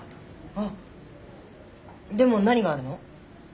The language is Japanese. あでも何があるの？